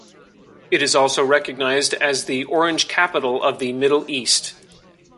It is also recognized as the orange capital of the Middle East.